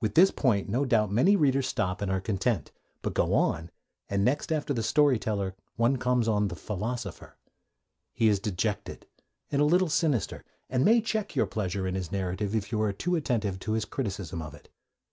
With this point no doubt many readers stop and are content. But go on, and next after the story teller one comes on the philosopher. He is dejected and a little sinister, and may check your pleasure in his narrative if you are too attentive to his criticism of it.